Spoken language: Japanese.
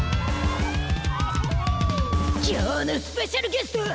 きょうのスペシャルゲスト！